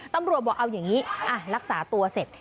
ตำรวจบอกเอาอย่างนี้รักษาตัวเสร็จ